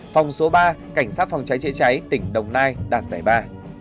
phòng số ba cảnh sát phòng cháy chữa cháy tỉnh đồng nai đạt giải ba